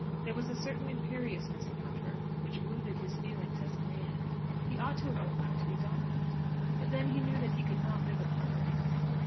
There was a certain imperiousness about her which wounded his feelings as a man. He ought to have been allowed to be dominant. But then he knew that he could not live upon her income.